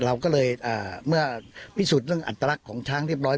เราก็เลยเมื่อพิสูจน์เรื่องอัตลักษณ์ของช้างเรียบร้อย